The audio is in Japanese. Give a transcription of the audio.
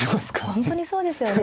本当にそうですよね。